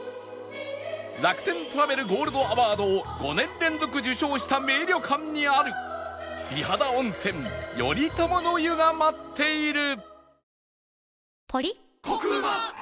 楽天トラベルゴールドアワードを５年連続受賞した名旅館にある美肌温泉頼朝の湯が待っている